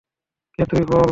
কে তুই বল?